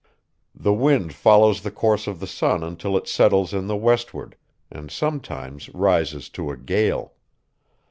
The wind follows the course of the sun until it settles in the westward, and sometimes rises to a gale.